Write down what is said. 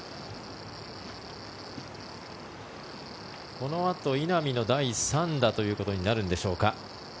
このあと稲見の第３打ということになるんでしょうか。